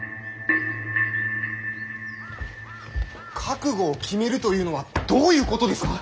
覚悟を決めるというのはどういうことですか。